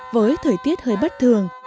với thời tiết hơi bất thường